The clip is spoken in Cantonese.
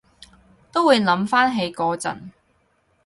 都會諗返起嗰陣